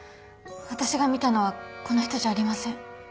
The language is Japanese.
私が見たのはこの人じゃありません。